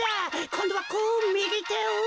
こんどはこうみぎてを。